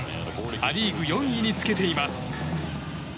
ア・リーグ４位につけています。